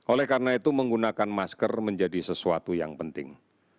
oleh karena itu menggunakan masker menjadi sesuatu yang penting